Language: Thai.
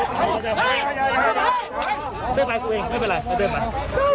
คุณแม่ไอ้กูยิงมันมาไว้เลยหรอ